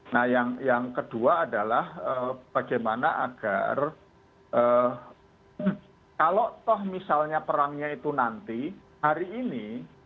nah yang kedua adalah bagaimana agar kalau toh misalnya perangnya itu nanti hari ini